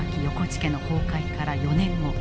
家の崩壊から４年後。